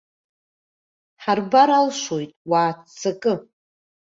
Ҳарбар алшоит, уааццакы!